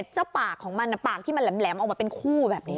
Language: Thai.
เจ้าปากของมันปากที่มันแหลมออกมาเป็นคู่แบบนี้